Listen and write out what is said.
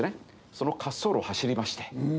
その滑走路を走りまして。